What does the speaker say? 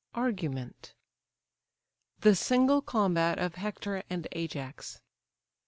ARGUMENT THE SINGLE COMBAT OF HECTOR AND AJAX.